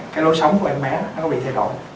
cái lối sống của em bé nó có bị thay đổi